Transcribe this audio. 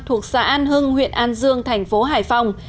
thuộc xã an hưng huyện an dương thành phố hải phòng